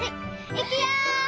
いくよ！